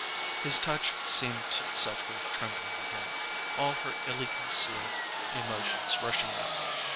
His touch seemed to set her trembling again, all her illy concealed emotions rushing up.